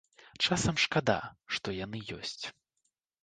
Часам шкада, што яны ёсць.